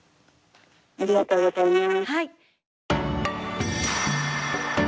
ありがとうございます。